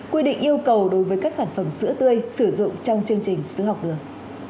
quy định yêu cầu đối với các sản phẩm sữa tươi sử dụng trong chương trình sữa học đường